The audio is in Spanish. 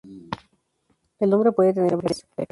El hombre puede tener varias mujeres.